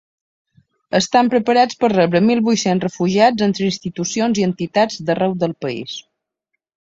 Estem preparats per rebre mil vuit-cents refugiats entre institucions i entitats d’arreu del país.